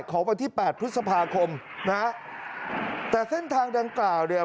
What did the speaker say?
ของวันที่แปดพฤษภาคมนะฮะแต่เส้นทางดังกล่าวเนี่ย